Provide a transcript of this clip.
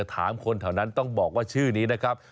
ถามคนแถวนั้นต้องบอกว่าชื่อนี้นะครับ